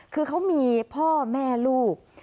คือเขามีพ่อแม่ลูก